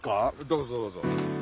どうぞどうぞ。